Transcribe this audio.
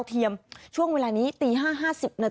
สวัสดีค่ะรุ่นก่อนเวลาเหนียวกับดาวสุภาษฎรามมาแล้วค่ะ